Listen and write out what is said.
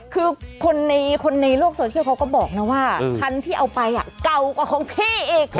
คือคนในโลกโซเชียลเขาก็บอกนะว่าคันที่เอาไปเก่ากว่าของพี่อีก